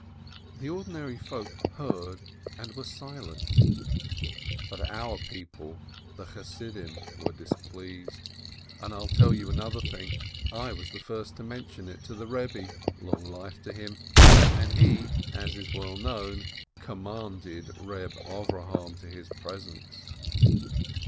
The ordinary folk heard and were silent, but our people, the Chassidim, were displeased. And I'll tell you another thing, I was the first to mention it to the Rebbe, long life to him, and he, as is well known, com manded Eeb Avrohom to his presence.